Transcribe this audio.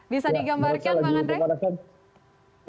bisa digambarkan bang andre